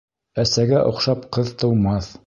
Әсәгә оҡшап ҡыҙ тыумаҫ.